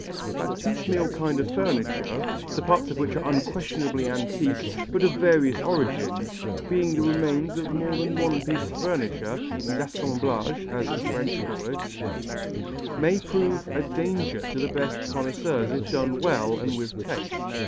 That piecemeal kind of furniture, the parts of which are unquestionably antique but of various origins, being the remains of more than one piece of furniture l'assemblage, as the French call it may prove a danger to the best connoisseurs if done well and with taste.